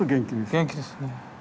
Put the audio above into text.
元気ですねえ。